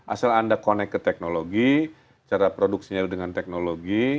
asal anda connect ke teknologi cara produksinya dengan teknologi